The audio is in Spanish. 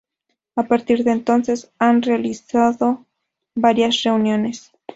A partir de entonces han realizado varias reuniones.